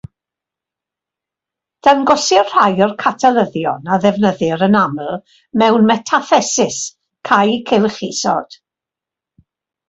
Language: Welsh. Dangosir rhai o'r catalyddion a ddefnyddir yn aml mewn metathesis cau cylch isod.